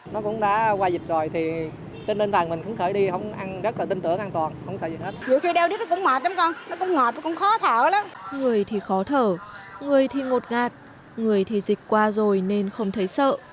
người thì khó thở người thì ngột ngạt người thì dịch qua rồi nên không thấy sợ